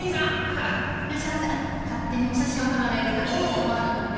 勝手にお写真を張られるとちょっと困るので。